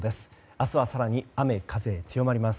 明日は更に雨風、強まります。